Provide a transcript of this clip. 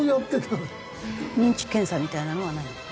認知検査みたいなのはない？